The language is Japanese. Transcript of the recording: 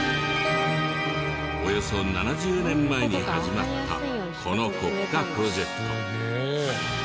およそ７０年前に始まったこの国家プロジェクト。